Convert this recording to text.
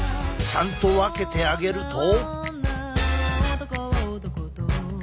ちゃんと分けてあげると。